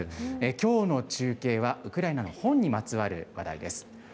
きょうの中継はウクライナの本にまつわる話題です。